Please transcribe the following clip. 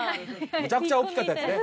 むちゃくちゃ大きかったやつね。